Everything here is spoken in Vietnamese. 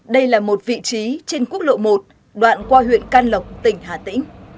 đây là một vị trí trên quốc lộ một đoạn qua huyện can lộc tỉnh hà tĩnh